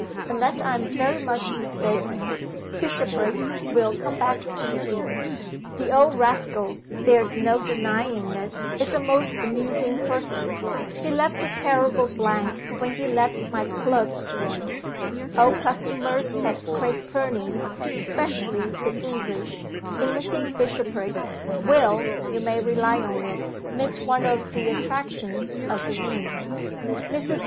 Unless I am very much mistaken, Bishopriggs will come back to the inn. The old rascal (there is no denying it) is a most amusing person. He left a terrible blank when he left my clerks' room. Old customers at Craig Fernie (especially the English), in missing Bishopriggs, will, you may rely on it, miss one of the attractions of the inn. Mrs.